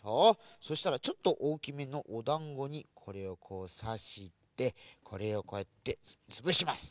そうしたらちょっとおおきめのおだんごにこれをこうさしてこれをこうやってつぶします。